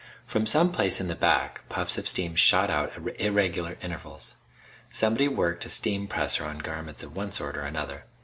From some place in the back, puffs of steam shot out at irregular intervals. Somebody worked a steampresser on garments of one sort or another.